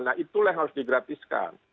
nah itulah yang harus digratiskan